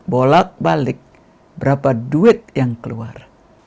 bolak balik berapa duit yang keluar